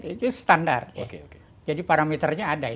itu standar jadi parameternya ada